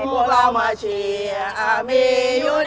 พวกเรามาเชียร์